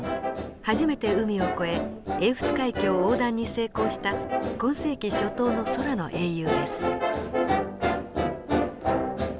初めて海を越え英仏海峡横断に成功した今世紀初頭の空の英雄です。